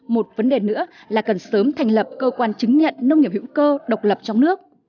một vấn đề nữa là cần sớm thành lập cơ quan chứng nhận nông nghiệp hữu cơ độc lập trong nước